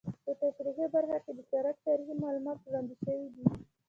په تشریحي برخه کې د سرک تاریخي معلومات وړاندې شوي دي